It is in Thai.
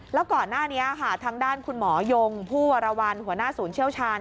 แล้วก่อนหน้านี้ค่ะทางด้านคุณหมอยงผู้วรวรรณหัวหน้าศูนย์เชี่ยวชาญ